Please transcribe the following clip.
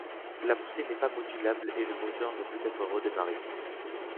La poussée n'est pas modulable et le moteur ne peut être redémarré.